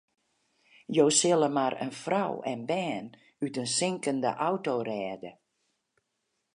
Jo sille mar in frou en bern út in sinkende auto rêde.